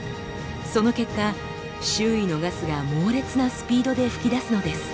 その結果周囲のガスが猛烈なスピードで噴き出すのです。